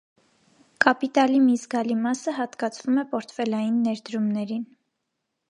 Կապիտալի մի զգալի մասը հատկացվում է պորտֆելային ներդրումներին։